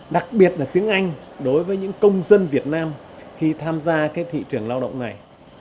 đặc biệt là tiếng anh đối với những công dân việt nam khi tham gia thị trường lao động này